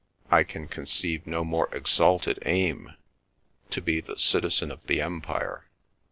I can conceive no more exalted aim—to be the citizen of the Empire.